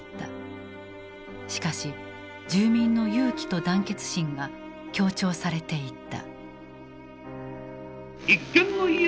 しかし住民の勇気と団結心が強調されていった。